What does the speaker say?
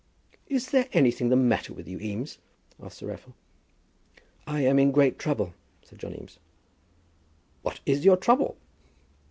"Is there anything the matter with you, Eames?" asked Sir Raffle. "I am in great trouble," said John Eames. "And what is your trouble?"